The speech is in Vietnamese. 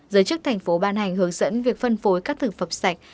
giới chức thành phố ban hành hướng dẫn việc phân phối các thực phẩm sạch